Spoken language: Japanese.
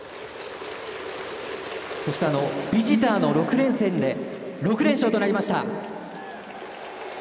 そして、ビジターの６連戦で６連勝となりました。